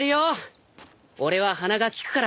俺は鼻が利くから。